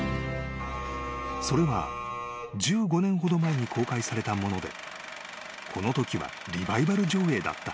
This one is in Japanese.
［それは１５年ほど前に公開されたものでこのときはリバイバル上映だった］